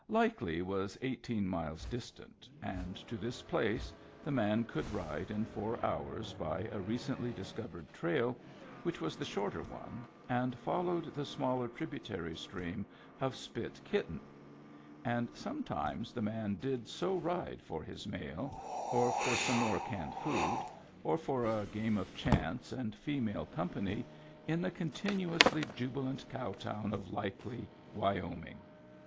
Likely was eighteen miles distant, and to this place the man could ride in four hours by a recently discovered trail, which was the shorter one, and followed the smaller tribu tary stream of Spit Kitten; and sometimes the man did so ride for his mail, or for more canned food, or for a game of chance and female com pany, in the continuously jubilant cow town of Likely, Wyoming.